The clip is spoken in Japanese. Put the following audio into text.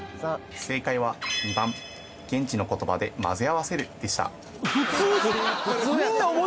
正解は２番現地の言葉で「混ぜ合わせる」でした・おい！